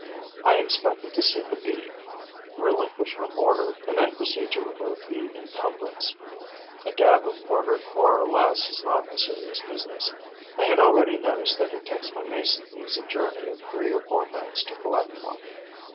I expected to see the Bee relinquish her mortar and then proceed to remove the encumbrance. A dab of mortar more or less is not a serious business. I had already noticed that it takes my Mason bees a journey of three or four minutes to collect one.